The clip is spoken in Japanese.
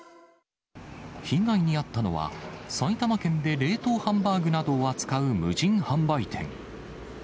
被害に遭ったのは、埼玉県で冷凍ハンバーグなどを扱う無人販売店。